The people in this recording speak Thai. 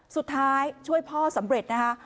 สุดท้ายช่วยพ่อสำเร็จนะคะ